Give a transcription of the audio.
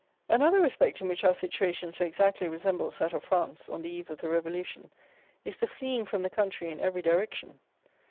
Another respect in which our situation so exactly resembles that of France on the eve of the Revolution is the fleeing from the country in every direction.